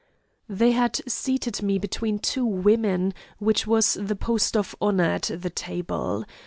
"They had seated me between two women, which was the post of honour at the table.